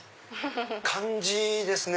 感じいいですね。